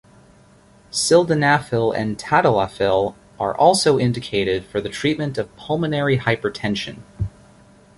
Sildenafil and tadalafil are also indicated for the treatment of pulmonary hypertension.